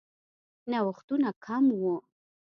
نوښتونه کم وو.